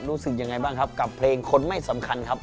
รู้สึกยังไงบ้างครับกับเพลงคนไม่สำคัญครับ